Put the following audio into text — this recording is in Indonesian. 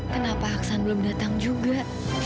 kenapa hasan belum datang juga